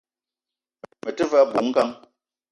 Me te ve a bou ngang